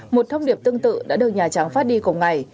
một thông điệp tương tự đã được nhà trắng phát đi cùng ngày